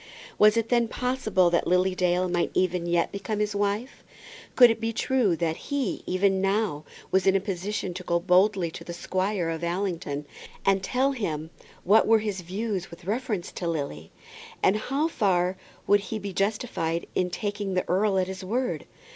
Was it then possible that Lily Dale might even yet become his wife? Could it be true that he, even now, was in a position to go boldly to the Squire of Allington, and tell him what were his views with reference to Lily? And how far would he be justified in taking the earl at his word?